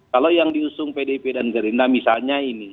kalau yang diusung pdip dan gerinda misalnya ini